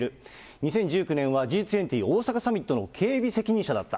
２０１９年はＧ２０大阪サミットの警備責任者だった。